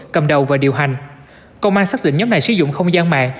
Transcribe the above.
công an xác định nhóm này sử dụng không gian mạng